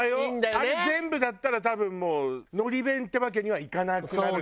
あれ全部だったら多分もうのり弁ってわけにはいかなくなるのよ。